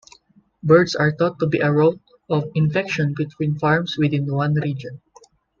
Birds are thought to be a route of infection between farms within one region.